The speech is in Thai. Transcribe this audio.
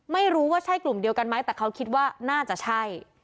ไม่รู้ว่าใช่กลุ่มเดียวกันไหมแต่เขาคิดว่าน่าจะใช่